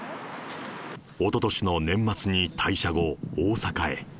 おととしの年末に退社後、大阪へ。